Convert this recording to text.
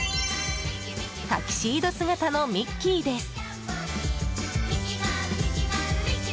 タキシード姿のミッキーです。